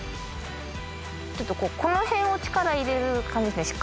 ちょっとこの辺を力入れる感じですね。